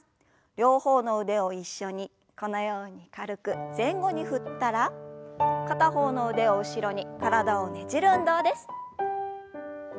両方の腕を一緒にこのように軽く前後に振ったら片方の腕を後ろに体をねじる運動です。